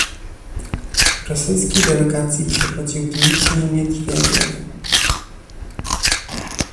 Rosyjskiej delegacji przewodził Dimitrij Miedwiediew